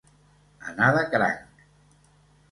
Anar de cranc.